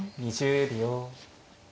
２０秒。